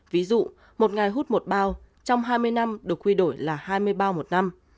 ví dụ một ngày hút một bao trong hai mươi năm được quy đổi là hai mươi bao một năm